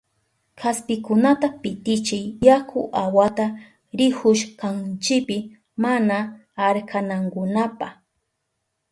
Kaspikunata pitichiy yaku awata rihushkanchipi mana arkanankunapa.